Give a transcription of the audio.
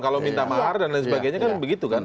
kalau minta mahar dan lain sebagainya kan begitu kan